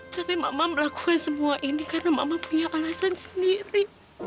tapi emak emak melakukan semua ini karena mama punya alasan sendiri